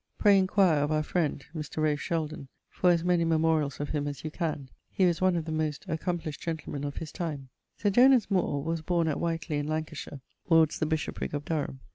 Pray inquire of our friend, Mr. Ralph Sheldon, for as many memorialls of him[AB] as you can: he was one of the most accomplisht gentlemen of his time. Sir Jonas Moore[AC] was borne at Whitelee in Lancashire, towards the bishoprick of Durham.